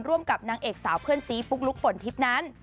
กับนางเอกสาวเพื่อนซีปุ๊กลุ๊กฝนทิพย์นั้น